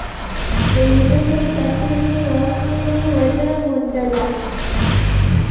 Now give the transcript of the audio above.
د لیدنې کتنې موقع مې ونه موندله.